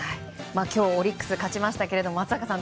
今日オリックス勝ちましたけども松坂さん、